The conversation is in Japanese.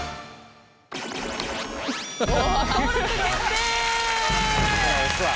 登録決定！